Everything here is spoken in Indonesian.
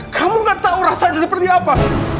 kamu gak tahu rasanya seperti apa